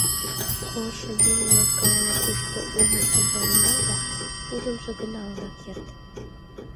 Колышо еҥ-влак гай ала-кушто улмыштым палена да ужынжо гына огына керт.